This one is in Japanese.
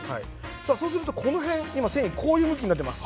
そうするとこの辺繊維がこういう向きになっています。